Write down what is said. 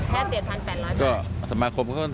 ก็คือใช้งบประมาณแค่๗๘๐๐บาท